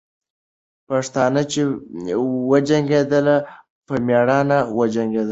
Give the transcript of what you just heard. پښتانه چې وجنګېدل، په میړانه وجنګېدل.